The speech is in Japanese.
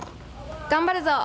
頑張るぞ！